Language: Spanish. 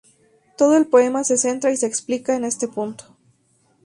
Todo el poema se centra y se explica en este punto.